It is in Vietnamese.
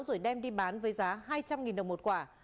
rồi đem đi bán với giá hai trăm linh đồng một quả